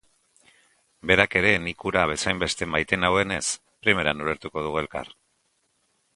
Berak ere nik hura bezainbeste maite nauenez, primeran ulertu dugu elkar.